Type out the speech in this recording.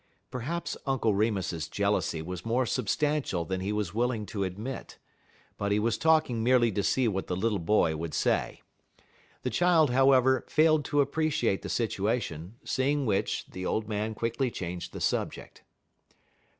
" Perhaps Uncle Remus's jealousy was more substantial than he was willing to admit; but he was talking merely to see what the little boy would say. The child, however, failed to appreciate the situation, seeing which the old man quickly changed the subject.